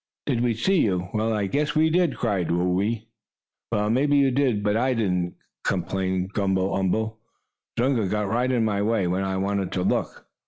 "Did we see you? Well, I guess we did!" cried Whoo ee. "Well, maybe you did, but I didn't," complained Gumble umble. "Zunga got right in my way, when I wanted to look."